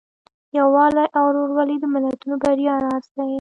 یووالی او ورورولي د ملتونو د بریا راز دی.